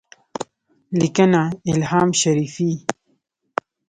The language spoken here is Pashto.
لیکنه : الهام شریفي